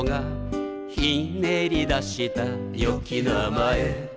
「ひねり出したよき名前」